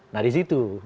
nah di situ